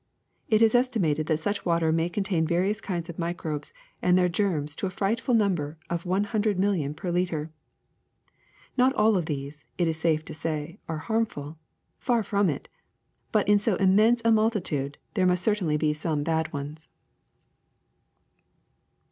It is estimated that such water may contain various kinds of microbes and their germs to the frightful number of one hundred million per liter. Not all of these, it is safe to say, are harmful; far from it; but in so im mense a multitude there must certainly be some bad ones.''